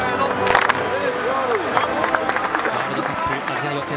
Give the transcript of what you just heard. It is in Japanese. ワールドカップアジア予選